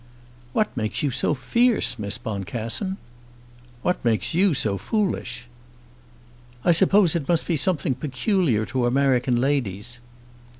"What makes you so fierce, Miss Boncassen?" "What makes you so foolish?" "I suppose it must be something peculiar to American ladies."